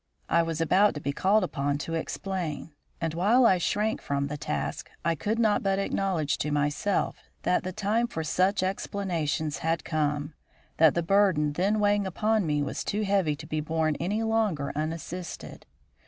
I was about to be called upon to explain; and, while I shrank from the task, I could not but acknowledge to myself that the time for such explanations had come; that the burden then weighing upon me was too heavy to be borne any longer unassisted.